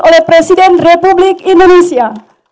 oleh presiden republik indonesia